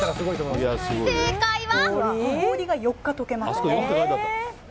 正解は。